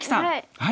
はい。